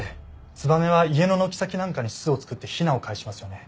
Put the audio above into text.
ツバメは家の軒先なんかに巣を作ってヒナをかえしますよね。